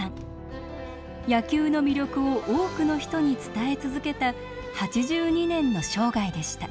野球の魅力を多くの人に伝え続けた８２年の生涯でした。